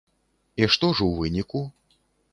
І што ж у выніку?